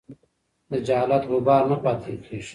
د جهالت غبار نه پاتې کېږي.